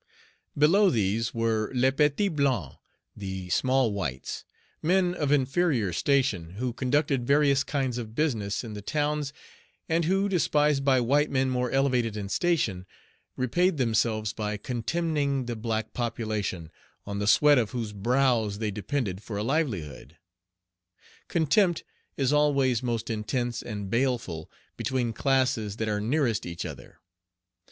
Below these were les petits blancs (the small whites), men of inferior station, who conducted various kinds of business in the towns, and who, despised by white men more elevated in station, repaid themselves by contemning the black population, on the sweat of whose brows they depended for a livelihood. Contempt is always most intense and baleful between classes that are nearest each other.